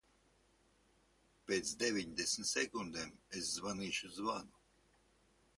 Pēc deviņdesmit sekundēm es zvanīšu zvanu.